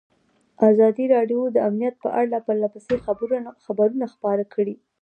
ازادي راډیو د امنیت په اړه پرله پسې خبرونه خپاره کړي.